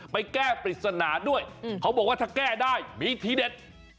ไปแก้ปริศนาด้วยเขาบอกว่าถ้าแก้ได้มีทีเด็ด